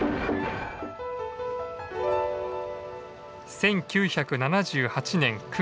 １９７８年９月。